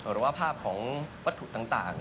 หรือว่าภาพของวัตถุต่าง